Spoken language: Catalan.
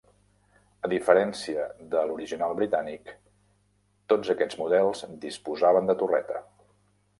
A diferència de l'original britànic, tots aquests models disposaven de torreta.